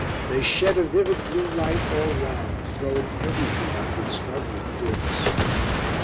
They shed a vivid blue light all round, throwing everything up with startling clearness.